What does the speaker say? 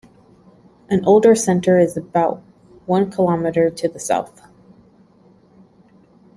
An older centre is about one kilometre to the south.